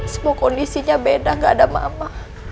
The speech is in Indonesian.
semua kondisinya beda nggak ada mama